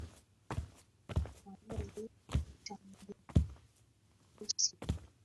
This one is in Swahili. Akutukanae hakuchagulii tusi